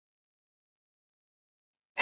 清水氏赤箭为兰科赤箭属下的一个种。